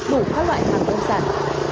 đủ các loại hàng công sản